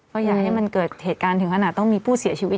ก็อย่าให้มันเกิดเหตุการณ์ถึงขนาดต้องมีผู้เสียชีวิต